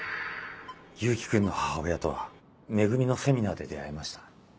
勇気君の母親とは「め組」のセミナーで出会いました。